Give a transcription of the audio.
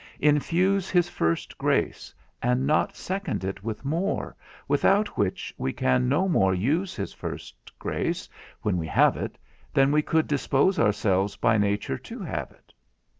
Infuse his first grace, and not second it with more, without which we can no more use his first grace when we have it, than we could dispose ourselves by nature to have it?